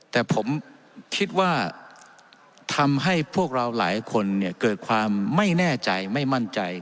แต่ผมคิดว่าทำให้พวกเราหลายคนเนี่ยเกิดความไม่แน่ใจไม่มั่นใจ